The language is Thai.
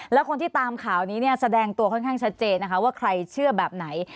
แล้วคนที่ตามข่าวนี้เนี่ยแสดงตัวค่อนข้างชัดเจนนะคะว่าใครเชื่อแบบไหน